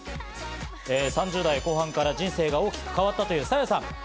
３０代後半から人生が大きく変わったというＳａｙａさん。